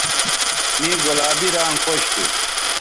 مے گلابی رانگ خوش تھو